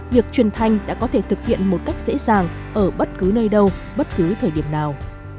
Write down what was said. việc truyền thanh đã có thể thực hiện một cách dễ dàng ở bất cứ nơi đâu bất cứ thời điểm nào